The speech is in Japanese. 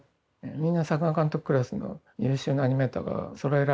みんな作画監督クラスの優秀なアニメーターがそろえられたので。